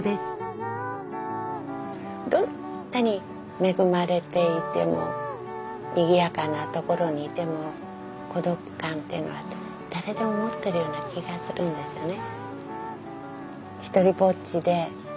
どんなに恵まれていてもにぎやかなところにいても孤独感っていうのは誰でも持ってるような気がするんですよね。